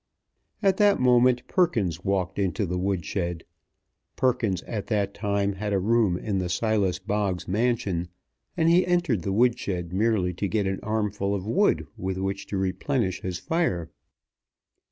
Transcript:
At that moment Perkins walked into the wood shed. Perkins at that time had a room in the Silas Boggs mansion, and he entered the wood shed merely to get an armful of wood with which to replenish his fire.